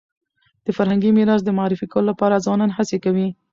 د فرهنګي میراث د معرفي کولو لپاره ځوانان هڅي کوي